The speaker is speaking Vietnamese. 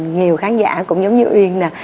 nhiều khán giả cũng giống như uyên nè